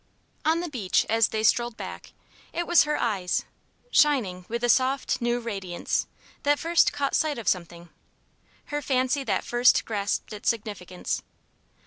On the beach as they strolled back, it was her eyes shining with a soft, new radiance that first caught sight of something; her fancy that first grasped its significance.